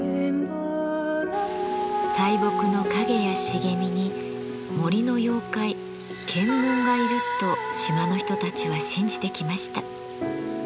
大木の陰や茂みに森の妖怪・ケンムンがいると島の人たちは信じてきました。